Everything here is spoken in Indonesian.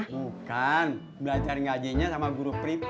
bukan belajar ngajinya sama guru prip